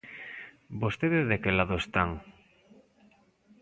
¿Vostedes de que lado están?